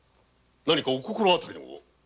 何かお心当たりでも？